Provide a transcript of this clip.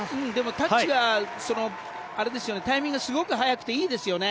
タッチがタイミングがすごく早くていいですよね。